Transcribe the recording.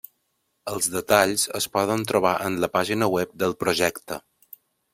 Els detalls es poden trobar en la pàgina web del projecte.